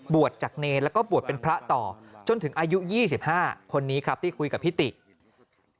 จากเนรแล้วก็บวชเป็นพระต่อจนถึงอายุ๒๕คนนี้ครับที่คุยกับพี่ติ